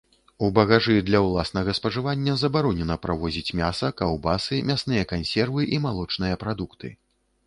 У багажы для ўласнага спажывання забаронена правозіць мяса, каўбасы, мясныя кансервы і малочныя прадукты.